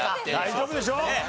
大丈夫でしょう。